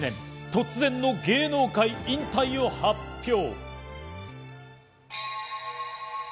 突然の芸能界引退を発表。